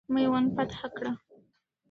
میوند فتح کړه.